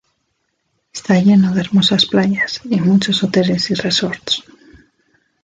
Está lleno de hermosas playas y muchos hoteles y resorts.